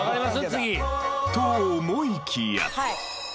次。と思いきや。